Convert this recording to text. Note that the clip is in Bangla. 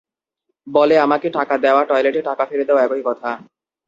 বলে আমাকে টাকা দেওয়া টয়লেটে টাকা ফেলে দেওয়া একই কথা!